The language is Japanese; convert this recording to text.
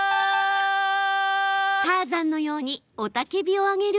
ターザンのように雄たけびを上げる。